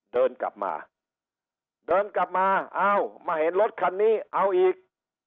เดินกลับมาเดินกลับมาเอ้ามาเห็นรถคันนี้เอาอีก